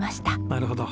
なるほど。